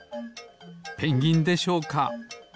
ペンギンでしょうか？